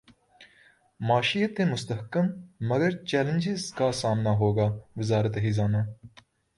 معیشت مستحکم مگر چیلنجز کا سامنا ہوگا وزارت خزانہ